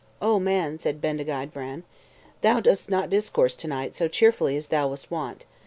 "O man," said Bendigeid Vran, "thou dost not discourse to night so cheerfully as thou wast wont.